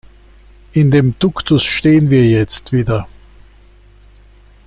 In dem Duktus stehen wir jetzt wieder.